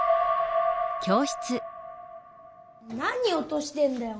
何おとしてんだよ。